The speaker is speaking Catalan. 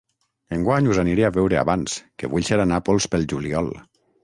Enguany us aniré a veure abans, que vull ser a Nàpols pel juliol.